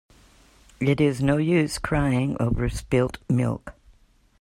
It is no use crying over spilt milk.